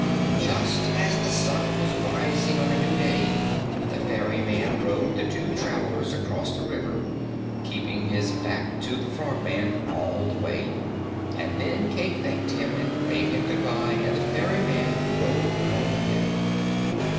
Just as the sun was rising on a new day, the ferryman rowed the two travelers across the river keeping his back to the Frogman all the way and then Cayke thanked him and bade him goodbye and the ferryman rowed home again.